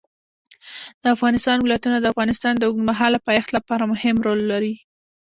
د افغانستان ولايتونه د افغانستان د اوږدمهاله پایښت لپاره مهم رول لري.